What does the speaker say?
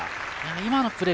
今のプレー